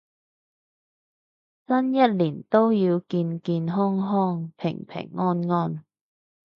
新一年都要健健康康平平安安